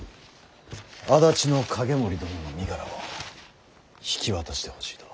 安達景盛殿の身柄を引き渡してほしいと。